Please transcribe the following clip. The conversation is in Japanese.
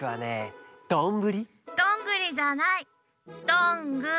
どんぐー！